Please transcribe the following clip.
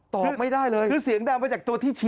ตอบไม่ได้เลยคือเสียงดังมาจากตัวที่ชี้